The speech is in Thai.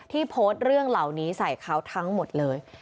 โพสต์เรื่องเหล่านี้ใส่เขาทั้งหมดเลย